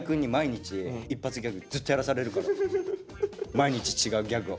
毎日違うギャグを。